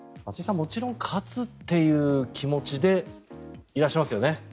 もちろん勝つという気持ちでいらっしゃいますよね？